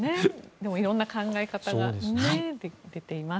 でも色んな考え方が出ています。